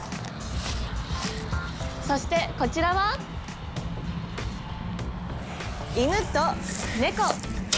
そしてこちらは犬と猫。